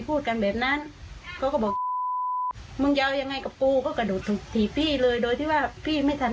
พูดใหญ่ทางเขาน่าจะมาตั้งแต่วันแรกที่โดนเลยยังไงน้อง